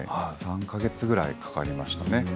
３か月かかりましたね。